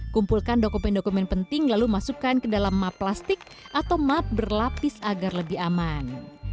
kumpulkan dokumen dokumen penting lalu masukkan ke dalam map plastik atau map berlapis agar lebih aman